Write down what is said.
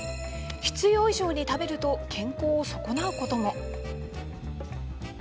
必要以上に食べると健康を損なうことも。